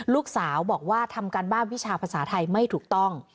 ลูกสาวบอกว่าทำการบ้านวิชาภาษาไทยไม่ถูกต้อง